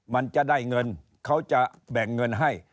มันจะได้เงินเขาจะแบ่งเงินให้